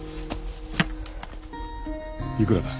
幾らだ。